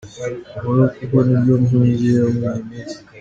Molo kuko nibyo mpugiyeho muri iyi minsi.